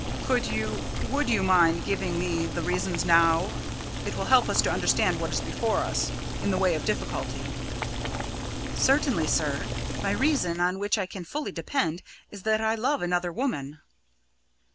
"Could you would you mind giving me the reason now? It will help us to understand what is before us, in the way of difficulty." "Certainly, sir. My reason, on which I can fully depend, is that I love another woman!"